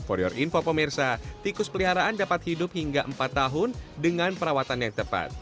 untuk informasi pemirsa tikus peliharaan dapat hidup hingga empat tahun dengan perawatan yang tepat